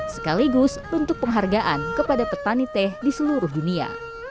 sekaligus bentuk penghargaan kepada petani teh di seluruh dunia